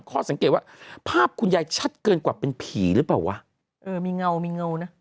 สังเกตว่าภาพคุณยายชัดเกินกว่าเป็นผีหรือเปล่าวะเออมีเงามีเงานะ